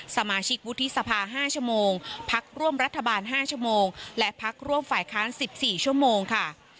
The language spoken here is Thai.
สมาชิกวุฒิสภา๕ชั่วโมงพักร่วมรัฐบาล๕ชั่วโมงและพักร่วมฝ่ายค้าน๑๔ชั่วโมงค่ะ